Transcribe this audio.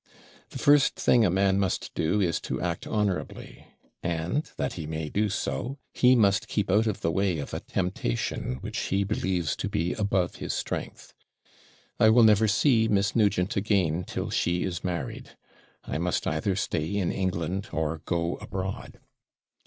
The first thing a man must do is to act honourably; and, that he may do so, he must keep out of the way of a temptation which he believes to be above his strength. I will never see Miss Nugent again till she is married; I must either stay in England, or go abroad.